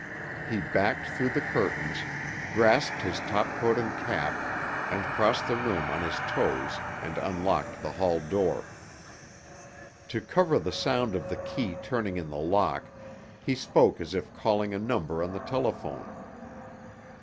He backed through the curtains, grasped his topcoat and cap, and crossed the room on his toes and unlocked the hall door. To cover the sound of the key turning in the lock, he spoke as if calling a number on the telephone.